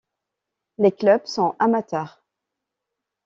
Les clubs sont amateurs..